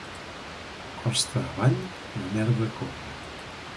Costa avall, la merda corre.